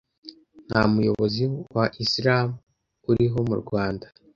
nta muyobozi wa Islam uriho mu Rwanda,